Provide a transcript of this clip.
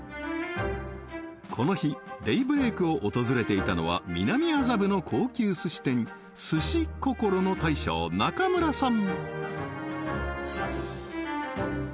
この日デイブレイクを訪れていたのは南麻布の高級すし店鮨心の大将中村さん